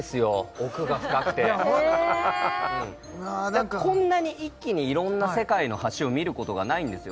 奥が深くてへえーこんなに一気に色んな世界の橋を見ることがないんですよ